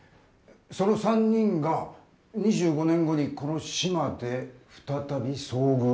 その３人が２５年後にこの志摩で再び遭遇した。